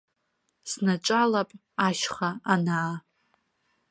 Снаҿалап ашьха, анаа.